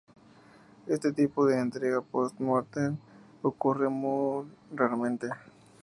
Este tipo de entrega post mortem ocurre muy raramente.